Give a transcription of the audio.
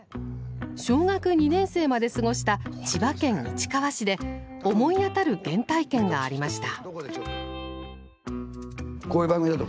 小学２年生まで過ごした千葉県市川市で思い当たる原体験がありました。